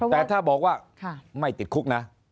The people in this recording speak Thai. แต่ถ้าบอกว่าไม่ติดคุกนะ